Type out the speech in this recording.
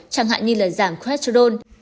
chẳng hạn như là giảm cholesterol